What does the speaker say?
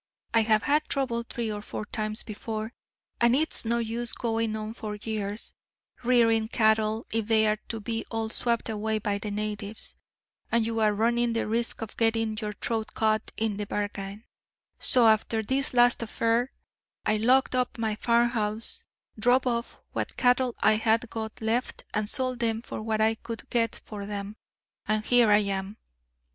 I have had trouble three or four times before, and it's no use going on for years rearing cattle if they are to be all swept away by the natives, and you are running the risk of getting your throat cut in the bargain; so, after this last affair, I locked up my farmhouse, drove off what cattle I had got left, and sold them for what I could get for them, and here I am."